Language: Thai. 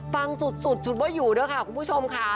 ฟังสุดว่าอยู่ด้วยค่ะคุณผู้ชมค่ะ